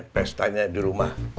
pestanya di rumah